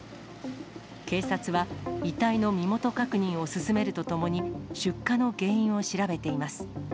警察は、遺体の身元確認を進めるとともに、出火の原因を調べています。